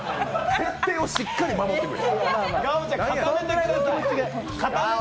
設定をしっかり守ってくれ。